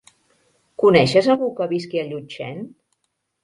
Coneixes algú que visqui a Llutxent?